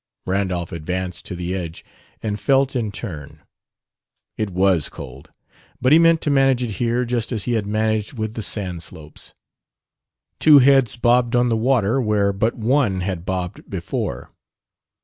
Randolph advanced to the edge, and felt in turn. It was cold. But he meant to manage it here, just as he had managed with the sand slopes. Two heads bobbed on the water where but one had bobbed before.